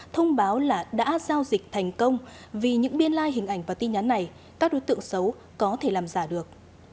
thông báo là đã giao dịch thành công vì những biên lai hình ảnh và tin nhắn này các đối tượng xấu có thể làm giả được